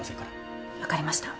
分かりました。